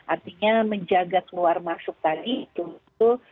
artinya menjaga keluar masuk tadi itu istilahnya kita lakukan lockdown